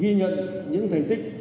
ghi nhận những thành tích